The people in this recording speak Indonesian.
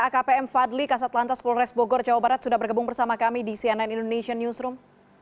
akpm fadli kasat lantas polres bogor jawa barat sudah bergabung bersama kami di cnn indonesian newsroom